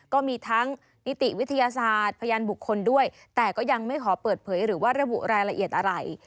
ก็มีทั้งนิติวิทยาศาสตร์พยานบุคคลด้วยแต่ก็ยังไม่ขอเปิดเผยหรือว่าระบุรายละเอียดอะไร